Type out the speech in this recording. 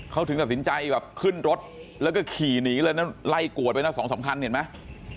เขาถึงตัดสินใจแบบขึ้นรถแล้วก็ขี่หนีเลยนะไล่กวดไปนะสองสามคันเห็นไหม